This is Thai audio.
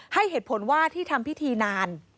ให้เหตุผลว่าที่ทำพิธีนาน